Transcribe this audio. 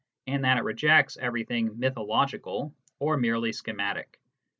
and that it rejects everything mythological or merely schematic.